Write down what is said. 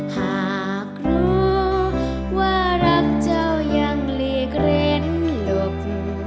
หากรู้ว่ารักเจ้ายังหลีกเร้นหลบ